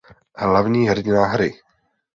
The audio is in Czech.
Hlavní hrdina hry.